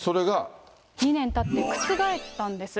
２年たって覆ったんです。